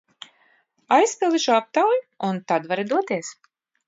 Aizpildi šo aptauju un tad vari doties!